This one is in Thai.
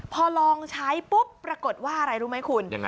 พอลองใช้ปุ๊บปรากฏว่าอะไรรู้ไหมคุณยังไง